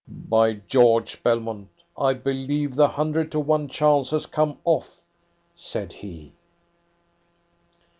"By George, Belmont, I believe the hundred to one chance has come off!" said he.